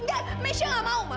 enggak mesya enggak mau ma